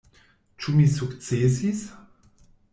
Ĉu mi sukcesis?